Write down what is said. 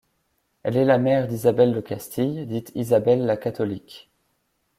Elle est la mère d'Isabelle de Castille, dite Isabelle la Catholique.